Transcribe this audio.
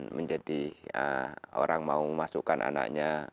menjadi orang mau memasukkan anaknya